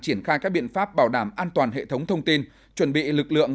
triển khai các biện pháp bảo đảm an toàn hệ thống thông tin chuẩn bị lực lượng